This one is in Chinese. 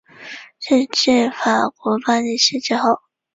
是继法国巴黎市之后。